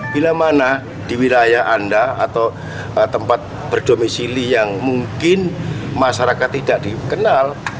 bila mana di wilayah anda atau tempat berdomisili yang mungkin masyarakat tidak dikenal